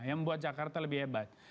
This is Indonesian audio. yang membuat jakarta lebih hebat